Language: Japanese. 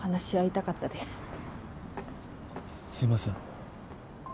すすいません。